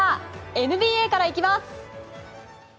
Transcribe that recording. ＮＢＡから行きます。